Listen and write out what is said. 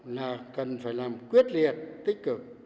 là cần phải làm quyết liệt tích cực